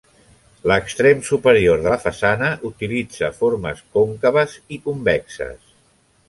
L'extrem superior de la façana utilitza formes còncaves i convexes.